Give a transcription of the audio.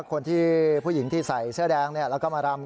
คนที่ผู้หญิงที่ใส่เสื้อแดงแล้วก็มารำ